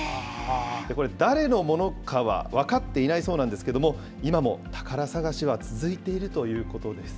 これ、誰のものかは分かっていないそうなんですけども、今も宝探しは続いているということです。